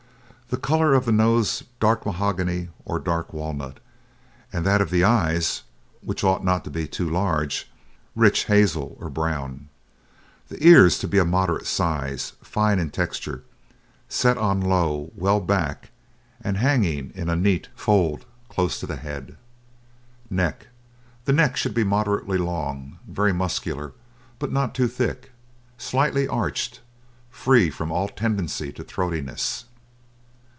The colour of the nose dark mahogany or dark walnut, and that of the eyes (which ought not to be too large) rich hazel or brown. The ears to be of moderate size, fine in texture, set on low, well back, and hanging in a neat fold close to the head. NECK The neck should be moderately long, very muscular, but not too thick; slightly arched, free from all tendency to throatiness.